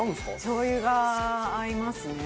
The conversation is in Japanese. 「しょう油が合いますね」